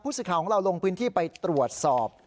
สิทธิ์ของเราลงพื้นที่ไปตรวจสอบ